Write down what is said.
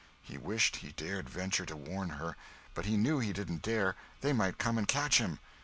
He wished he dared venture to warn her; but he knew he didn't dare—they might come and catch him.